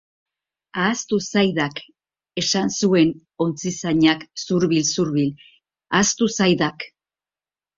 Ahaztu zaidak —esan zuen ontzizainak zurbil-zurbil—, ahaztu zaidak.